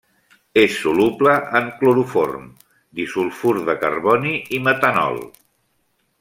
És soluble en cloroform, disulfur de carboni i metanol.